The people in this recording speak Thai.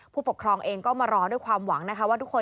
ผู้ปกครองเองก็มารอด้วยความหวังนะคะว่าทุกคน